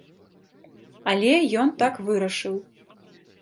Але ён так вырашыў.